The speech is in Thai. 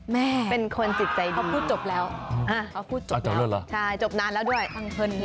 แม่เขาพูดจบแล้วใช่จบนานแล้วด้วยฟังเผิน